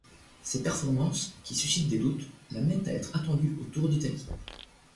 Ces performances, qui suscitent des doutes, l'amènent à être attendu au Tour d'Italie.